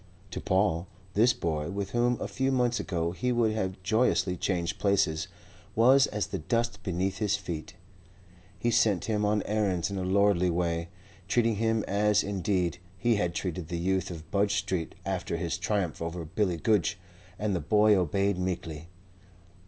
To Paul, this boy, with whom a few months ago he would have joyously changed places, was as the dust beneath his feet. He sent him on errands in a lordly way, treating him as, indeed, he had treated the youth of Budge Street after his triumph over Billy Goodge, and the boy obeyed meekly.